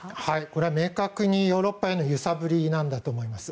これは明確にヨーロッパへの揺さぶりなんだと思います。